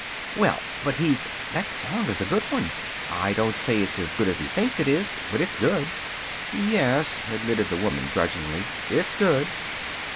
"Well, but he's that song is a good one. I don't say it's as good as he thinks it is, but it's good." "Yes," admitted the woman, grudgingly, "it's good."